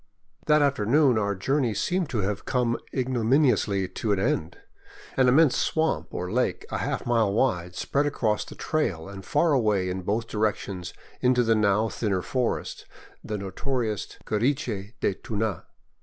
That afternoon our journey seemed to have come ignominiously to an end. An immense swamp or lake a half mile wide spread across the trail and far away in both directions into the now thinner forest, the notorious " curiche de Tuna."